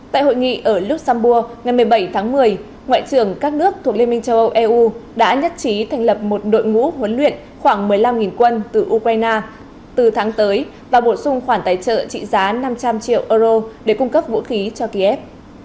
tại hội nghị ở luxembourg ngày một mươi bảy tháng một mươi ngoại trưởng các nước thuộc liên minh châu âu eu đã nhất trí thành lập một đội ngũ huấn luyện khoảng một mươi năm quân từ ukraine từ tháng tới và bổ sung khoản tài trợ trị giá năm trăm linh triệu euro để cung cấp vũ khí cho kiev